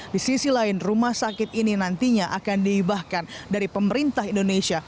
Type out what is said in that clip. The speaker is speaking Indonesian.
di sisi lain rumah sakit ini nantinya akan dihibahkan dari pemerintah indonesia